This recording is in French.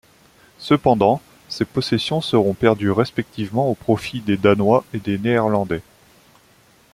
Cependant, ces possessions seront perdues respectivement au profit des Danois et des Néerlandais.